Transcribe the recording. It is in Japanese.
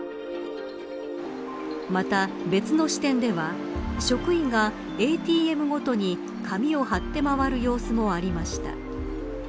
また別の支店では職員がＡＴＭごとに紙を貼って回る様子もありました。